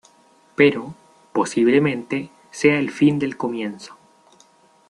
Pero, posiblemente, sea el fin del comienzo.